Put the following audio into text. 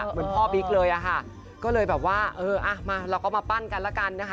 เหมือนพ่อบิ๊กเลยอะค่ะก็เลยแบบว่าเอออ่ะมาเราก็มาปั้นกันแล้วกันนะคะ